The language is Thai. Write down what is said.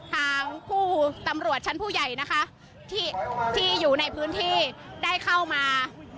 ทางผู้ตำรวจชั้นผู้ใหญ่นะคะที่อยู่ในพื้นที่ได้เข้ามา